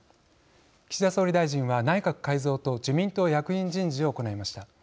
岸田総理大臣は内閣改造と自民党役員人事を行いました。